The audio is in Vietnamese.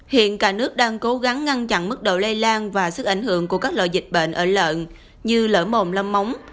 hiện cả nước đang cố gắng ngăn chặn mức độ lây lan và sức ảnh hưởng của các loại dịch bệnh ở lợn như lỡ mồm lâm móng